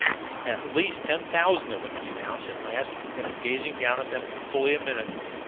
"At least ten thousand of them," he announced at last, after gazing down at them for fully a minute.